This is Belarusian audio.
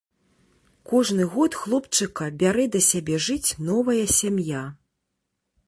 Кожны год хлопчыка бярэ да сябе жыць новая сям'я.